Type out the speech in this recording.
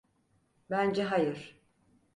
Bence hayır.